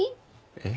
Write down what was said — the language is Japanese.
えっ。